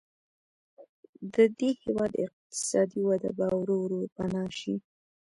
د دې هېواد اقتصادي وده به ورو ورو پناه شي.